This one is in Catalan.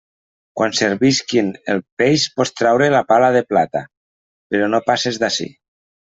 Quan servisquen el peix pots traure la pala de plata, però no passes d'ací.